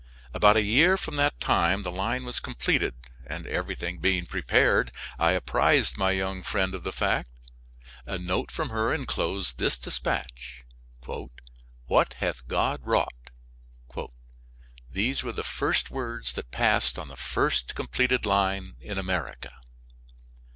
About a year from that time the line was completed, and, everything being prepared, I apprised my young friend of the fact. A note from her inclosed this dispatch: 'What hath God wrought?' These were the first words that passed on the first completed line in America."